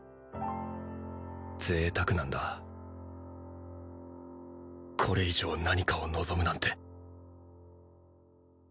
贅沢なんだこれ以上何かを望むなんて